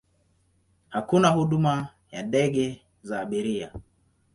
Hakuna huduma ya ndege za abiria.